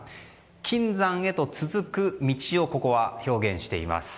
金山へと続く道をここは表現しています。